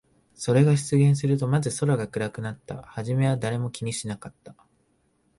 それが出現すると、まず空が暗くなった。はじめは誰も気にしなかった。